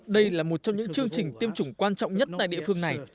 đây là một trong những chương trình tiêm chủng quan trọng nhất tại địa phương này